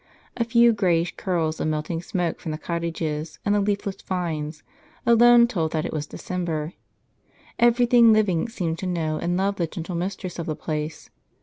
A few greyish curls of melting smoke from the cottages, and the leafless vines, alone told that it was December. Everything living seemed to know and love the gentle mistress of the place.